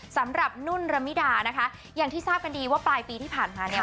สำหรับนุ่นระมิดานะคะอย่างที่ทราบกันดีว่าปลายปีที่ผ่านมาเนี่ย